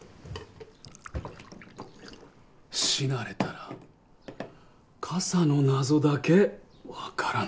死なれたら傘の謎だけ分からない。